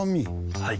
はい。